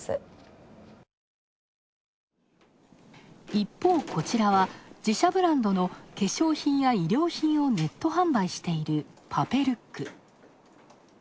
一方こちらは、自社ブランドの化粧品や衣料品をネット販売しているパペルック。